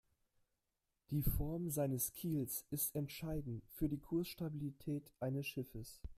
Die Form seines Kiels ist entscheidend für die Kursstabilität eines Schiffes.